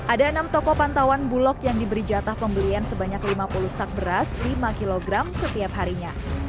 ada enam toko pantauan bulog yang diberi jatah pembelian sebanyak lima puluh sak beras lima kg setiap harinya